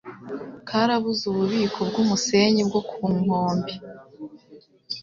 karabuze ububiko bw'umusenyi bwo ku nkombe